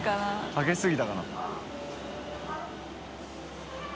かけすぎたかな？